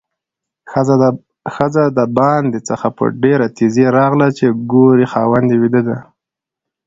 ښځه د باندې څخه په ډېره تیزۍ راغله چې ګوري خاوند یې ويده ده؛